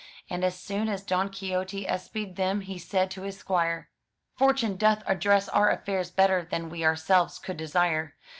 And as soon as Don Quixote espied them he said to his squire: "Fortune doth address our affairs better than we ourselves could desire.